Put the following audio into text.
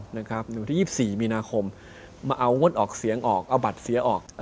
ในวันที่๒๔มีนาคมมาเอางดออกเสียงออกเอาบัตรเสียออก